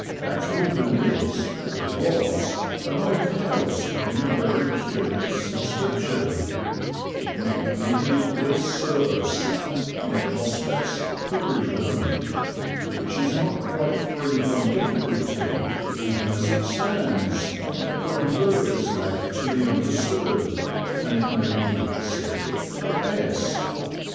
At Wymondham is, or was, an old house having a very curious inscription, "Nec mihi glis servus, nec hospes hirudo," which is not quite free from difficulty even as it stands, for a verb is left to be understood, and it may be "sit" or "est."